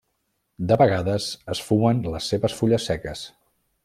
De vegades es fumen les seves fulles seques.